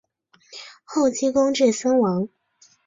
后积功至森王。